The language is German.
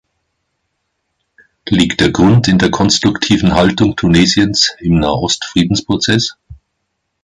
Liegt der Grund in der konstruktiven Haltung Tunesiens im Nahost-Friedensprozess?